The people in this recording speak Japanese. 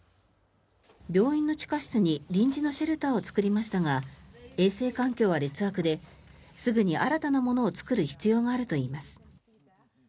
病院の地下室に臨時のシェルターを作りましたが衛生環境は劣悪ですぐに新たなものを作る必要があるといいます。